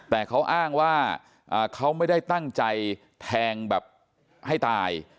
แต่เขาอ้างว่าเขาไม่ได้ตั้งใจแทงแบบให้ตาย